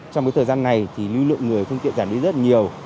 trong thời gian này lưu lượng người phương tiện giảm lý rất nhiều